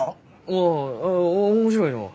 ああ面白いのう。